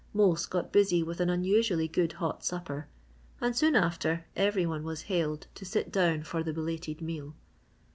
Mose got busy with an unusually good hot supper and soon after, every one was hailed to sit down for the belated meal.